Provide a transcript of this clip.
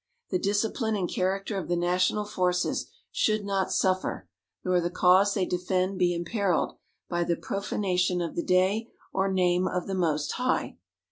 The discipline and character of the national forces should not suffer, nor the cause they defend be imperilled, by the profanation of the day or name of the Most High.